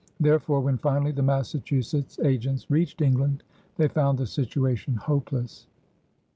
Therefore, when finally the Massachusetts agents reached England, they found the situation hopeless.